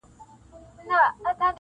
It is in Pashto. چي پر اړخ به راواړاوه مېرمني -